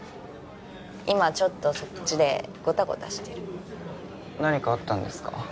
今ちょっとそっちでゴタゴタしてる何かあったんですか？